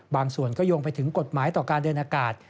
บางส่วนก็โยงไปถึงกฎหมายต่อการเดินอากาศ